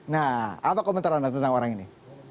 nah apa komentar anda tentang orang ini